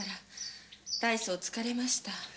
大変疲れました。